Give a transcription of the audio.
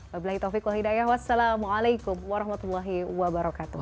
wa'alaikumussalam warahmatullahi wabarakatuh